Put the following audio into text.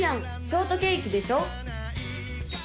ショートケーキでしょ